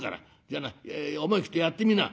じゃあな思い切ってやってみな」。